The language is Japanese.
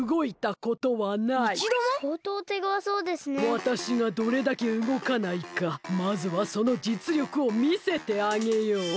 わたしがどれだけうごかないかまずはそのじつりょくをみせてあげよう。